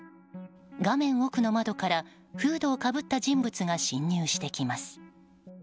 画面奥の窓からフードをかぶった人物が侵入してきます。